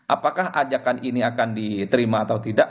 apakah ajakan ini akan diterima atau tidak